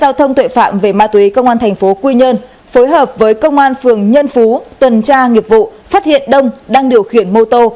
giao thông tuệ phạm về ma túy công an thành phố quy nhơn phối hợp với công an phường nhân phú tuần tra nghiệp vụ phát hiện đông đang điều khiển mô tô